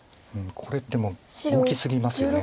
これってもう大きすぎますよね